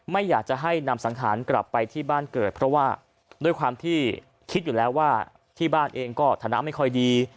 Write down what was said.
ไม่อยากจะให้นำสังหารกลับไปที่บ้านเกิดเพราะว่าด้วยความที่คิดอยู่แล้วว่าที่บ้านเองก็ฐานะไม่ค่อยดี